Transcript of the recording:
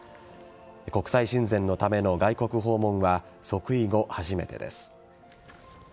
国際親善のための外国訪問は即位後初めてです。